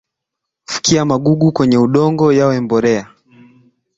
Fukia magugu kwenye udongo yawe mbolea